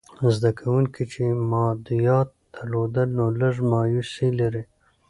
زده کوونکي چې مادیات درلودل، نو لږ مایوسې لري.